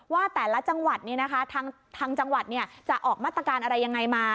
ว่าแต่ละจังหวัดทางจังหวัดจะออกมาตรการอะไรยังไงมา